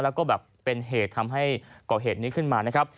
แล้วก็แบบเป็นเหตุทำให้ก่อเหตุนี้ขึ้นมานะครับ